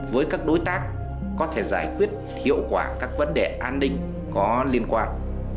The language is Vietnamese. với các đối tác có thể giải quyết hiệu quả các vấn đề an ninh có liên quan